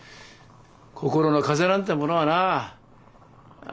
心の風邪なんてものはなあ